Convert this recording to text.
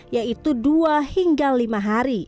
yaitu dua hingga lima hari